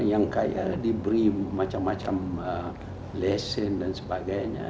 yang kaya diberi macam macam lesen dan sebagainya